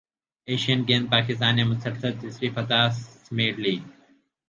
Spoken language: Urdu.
ایشین گیمز پاکستان نے مسلسل تیسری فتح سمیٹ لی